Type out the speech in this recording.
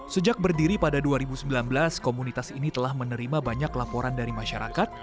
sejak berdiri pada dua ribu sembilan belas komunitas ini telah menerima banyak laporan dari masyarakat